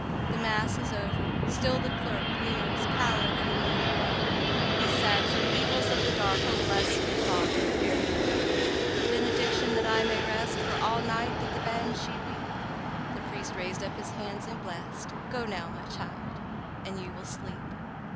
The Mass is over—still the clerk Kneels pallid in the morning glow. He said, "From evils of the dark Oh, bless me, father, ere you go. "Benediction, that I may rest, For all night did the Banshee weep." The priest raised up his hands and blest— "Go now, my child, and you will sleep."